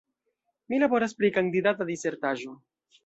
Mi laboras pri kandidata disertaĵo.